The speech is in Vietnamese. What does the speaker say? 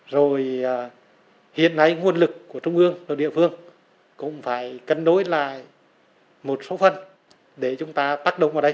rồi hiện nay nguồn lực của trung ương rồi địa phương cũng phải cân đối lại một số phần để chúng ta tác động vào đây